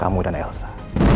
kamu dan elsa